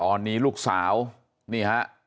ตอนนี้ลูกสาวนี่ฮะ